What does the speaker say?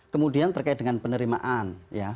kemudian terkait dengan penerimaan